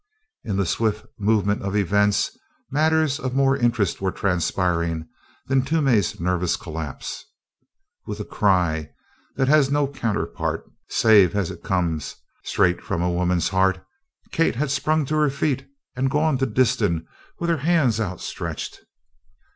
In the swift movement of events, matters of more interest were transpiring than Toomey's nervous collapse. With a cry that has no counterpart save as it comes straight from a woman's heart, Kate had sprung to her feet and gone to Disston with her hands outstretched.